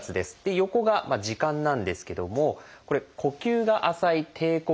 横が「時間」なんですけどもこれ呼吸が浅い「低呼吸」。